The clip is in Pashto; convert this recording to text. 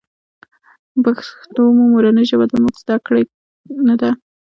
پښتو مو مورنۍ ژبه ده مونږ ذده کــــــــړې نۀ ده